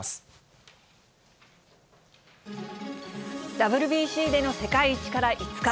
ＷＢＣでの世界一から５日。